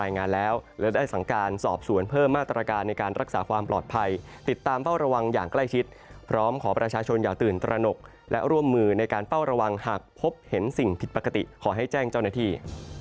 ในประกาศ๔๔และข้อสชแล้วหรือไม่นั้นไม่ขอตอบ